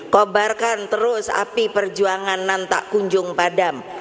kobarkan terus api perjuangan nantak kunjung padam